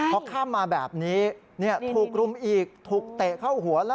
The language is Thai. เขาเข้ามมาแบบนี้ถูกรุมอีกถูกเตะเข้าหัว